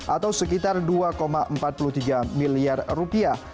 atau sekitar dua empat puluh tiga miliar rupiah